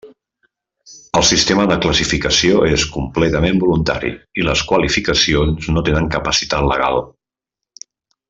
El sistema de classificació és completament voluntari i les qualificacions no tenen capacitat legal.